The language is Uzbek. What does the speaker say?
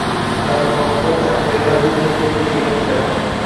Alal-oqibat zaxiralar bir kun kelib tugab bitadi